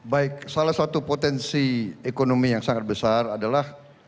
baik salah satu potensi ekonomi yang sangat besar adalah